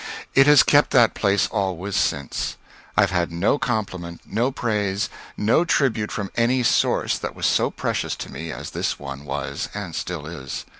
It has kept that place always since. I have had no compliment, no praise, no tribute from any source, that was so precious to me as this one was and still is.